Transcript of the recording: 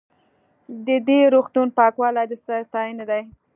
د دې روغتون پاکوالی د ستاینې دی.